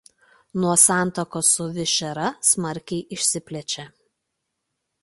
Nuo santakos su Višera smarkiai išsiplečia.